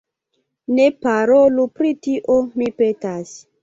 Ne parolu pri tio, mi petas.